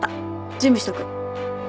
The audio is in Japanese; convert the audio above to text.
準備しとく。